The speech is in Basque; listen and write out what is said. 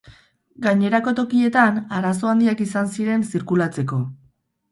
Gainerako tokietan, arazo handiak izan ziren zirkulatzeko.